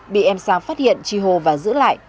bị em sang phát hiện chi hồ và giữ lại